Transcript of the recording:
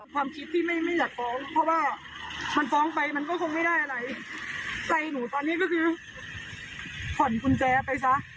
ความคิดที่ไม่ไม่อยากฟ้องเพราะว่ามันฟ้องไปมันก็คงไม่ได้อะไรใจหนูตอนนี้ก็คือผ่อนกุญแจไปซะ